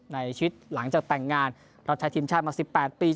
ในชีวิตหลังจากแต่งงานเราใช้ทีมชาติมาสิบแปดปี